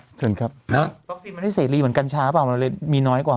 วัคซีนมันได้เสียรีเหมือนกรรชาหรือเปล่ามีน้อยกว่า